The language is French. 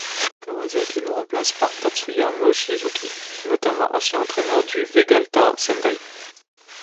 Kawasaki le remplace par Tatsuya Mochizuki, notamment ancien entraîneur du Vegalta Sendai.